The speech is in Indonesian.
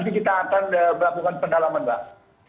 nanti kita akan berlakukan pengalaman pak